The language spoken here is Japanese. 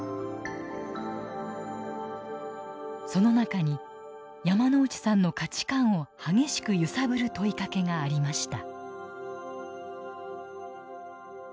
その中に山内さんの価値観を激しく揺さぶる問いかけがありました。